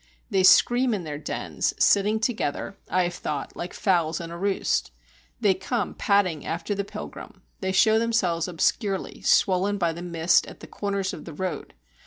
They scream in their dens, sitting together, I have thought, like fowls in a roost. They come padding after the pilgrim, they show themselves obscurely, swollen by the mist at the corners of the road.